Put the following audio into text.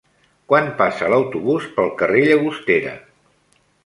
Quan passa l'autobús pel carrer Llagostera?